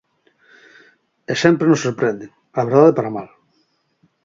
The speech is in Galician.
E sempre nos sorprenden, a verdade, para mal.